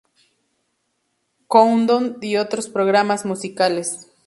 Countdown", y otros programas musicales.